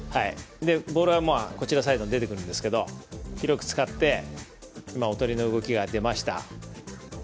ボールが手前に出てくるんですが広く使って今、おとりの動きが出ました。